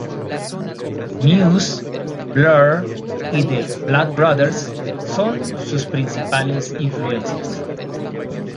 Muse, Blur y The Blood Brothers son sus principales influencias.